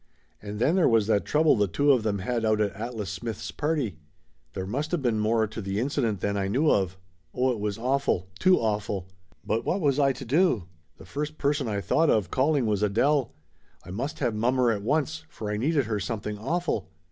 And then there was that trouble the two of them had out at Atlas Smith's party. There must of been more to the incident than I knew of. Oh, it was awful, too awful ! But what was I to do? The first person I thought of calling was Adele. I must have mommer at once, for I needed her something awful.